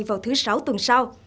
vào thứ sáu tuần sau